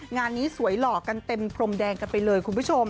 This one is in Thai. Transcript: งานนี้สวยหล่อกันเต็มพรมแดงกันไปเลยคุณผู้ชม